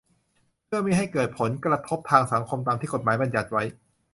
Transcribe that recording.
เพื่อมิให้เกิดผลกระทบทางสังคมตามที่กฎหมายบัญญัติไว้